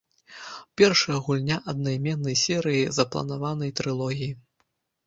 Першая гульня аднайменнай серыі з запланаванай трылогіі.